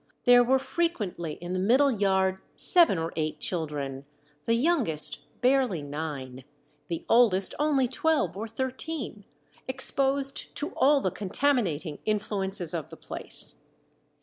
There were frequently in the middle yard seven or eight children, the youngest barely nine, the oldest only twelve or thirteen, exposed to all the contaminating influences of the place.